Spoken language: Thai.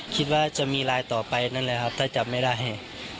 คิดว่าจะมีลายต่อไปนั่นแหละครับถ้าจับไม่ได้